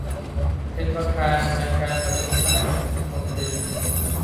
เป็นประธานในการประชุมคณะมนตรี